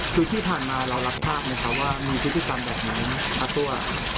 คือที่ผ่านมาเรารับทราบไหมคะว่ามีพฤติกรรมแบบนี้อาตั้ว